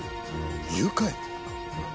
誘拐？